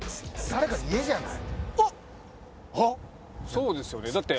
そうですよねだって。